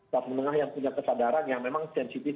kelas menengah yang punya kesadaran yang memang sensitif